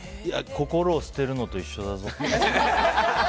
心を捨てるのと一緒だぞ。